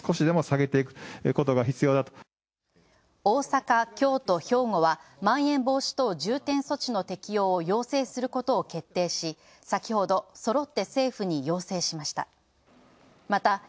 大阪、京都、兵庫は「まん延防止等重点措置」の適用を要請することを決定し先ほどそろって政府に要請しました。